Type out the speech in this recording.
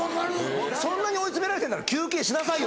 そんなに追い詰められてんなら休憩しなさいよ。